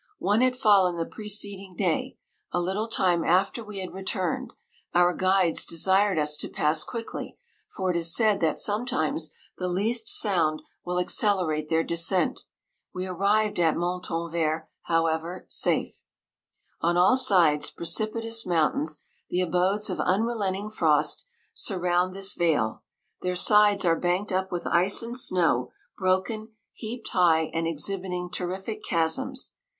One 165 had fallen the preceding day, a little time after we had returned : our guides desired us to pass quickly, for it is said that sometimes the least sound will accelerate their descent. We ar rived at Montanvert, however, safe. On all sides precipitous mountains, the abodes of unrelenting frost, sur round this vale : their sides are banked up with ice and snow, broken, heaped high, and exhibiting terrific chasms.